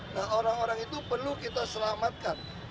nah orang orang itu perlu kita selamatkan